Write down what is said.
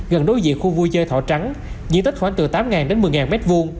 gần đối diện khu vui chơi thỏ trắng diện tích khoảng từ tám đến một mươi m hai